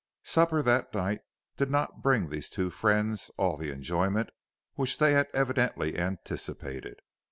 Supper that night did not bring to these two friends all the enjoyment which they had evidently anticipated.